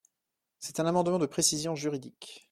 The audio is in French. C’est un amendement de précision juridique.